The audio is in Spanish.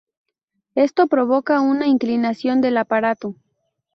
Esto provoca una inclinación del aparato.